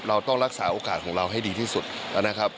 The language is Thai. เราต้องรักษาโอกาสของเราให้ดีที่สุดนะครับ